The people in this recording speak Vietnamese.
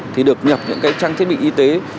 thì được nhập những trang thiết bị y tế